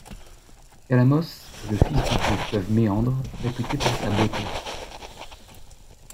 Calamos est le fils du dieu fleuve Méandre, réputé pour sa beauté.